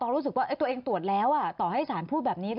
ถ้าสมมุติกรกตรู้สึกว่าเองตรวจแล้วถ่อให้ศาลบอกแบบนี้